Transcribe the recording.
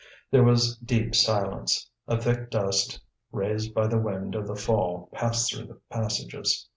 There was deep silence. A thick dust raised by the wind of the fall passed through the passages.